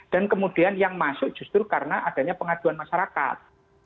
dan kemudian yang masuk justru karena adanya pengaduan masyarakat